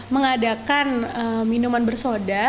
mengadakan minuman bersoda